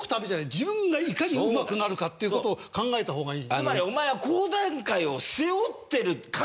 自分がいかにうまくなるかっていう事を考えた方がいい。